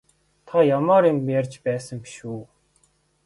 Та явмаар юм ярьж байсан биш үү?